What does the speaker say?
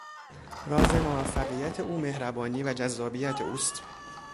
راز موفقیت او مهربانی و جذابیت اوست.